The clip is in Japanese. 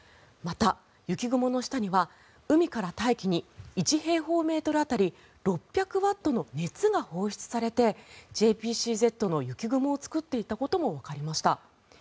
また雪雲の下には海から大気に１平方メートル当たり６００ワットの熱が放出されてＪＰＣＺの雪雲を作っていたこともわかりました。